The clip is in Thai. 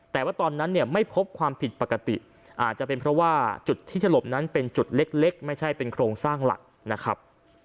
แต่ว่าตอนนั้นเนี่ยไม่พบความผิดปกติอาจจะเป็นเพราะว่าจุดที่ถลบนั้นเป็นจุดเล็กไม่ใช่เป็นโครงสร้างหลักนะครับ